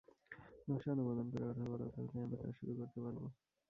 নকশা অনুমোদন করে অর্থ বরাদ্দ হলেই আমরা কাজ শুরু করতে পারব।